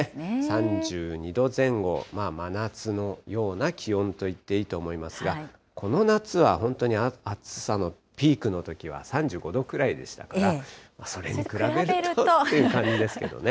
３２度前後、真夏のような気温といっていいと思いますが、この夏は、本当に暑さのピークのときは、３５度くらいでしたから、それに比べるとって感じですけどね。